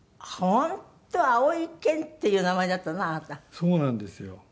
そうなんですよ。